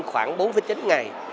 khoảng bốn chín ngày